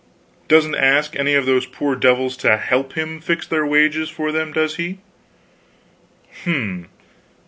"Doesn't ask any of those poor devils to help him fix their wages for them, does he?" "Hm!